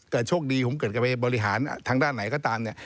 แต่โชคดีผมเกิดจะไปบริหารทางด้านไหนก็ตามเนี่ย